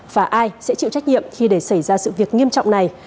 và ai sẽ chịu trách nhiệm khi để xảy ra sự việc nghiêm trọng này